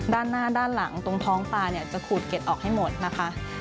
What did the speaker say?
ด้านหน้าด้านหลังตรงท้องปลาเนี่ยจะขูดเก็ดออกให้หมดนะคะ